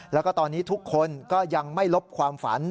แล้วก็ตอนนี้ทุกคนก็ยังไม่ลบความฝัน